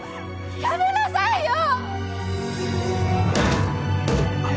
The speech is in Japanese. やめなさいよ！